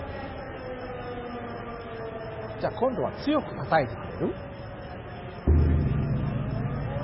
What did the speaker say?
じゃ今度は強くたたいてくれる？